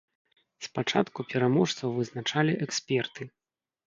Спачатку пераможцаў вызначалі эксперты.